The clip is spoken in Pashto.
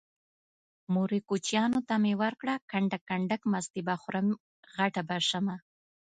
مورې کوچيانو ته مې ورکړه کنډک کنډک مستې به خورم غټه به شمه